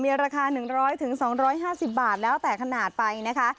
มีราคา๑๐๐๒๕๐บาทแล้วแต่ขนาดไปนะคะ